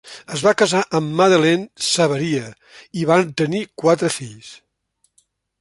Es va casar amb Madeleine G. Savaria i van tenir quatre fills.